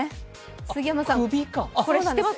杉山さんこれ知ってます？